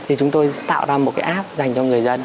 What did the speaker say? thì chúng tôi tạo ra một cái app dành cho người dân